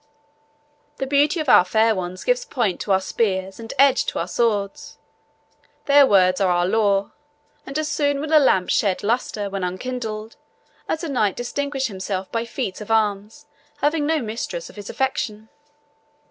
The beauty of our fair ones gives point to our spears and edge to our swords; their words are our law; and as soon will a lamp shed lustre when unkindled, as a knight distinguish himself by feats of arms, having no mistress of his affection."